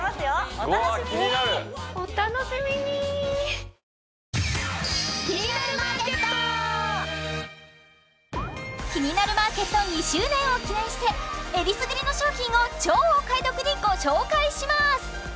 お楽しみにお楽しみに「キニナルマーケット」２周年を記念してえりすぐりの商品を超お買い得にご紹介します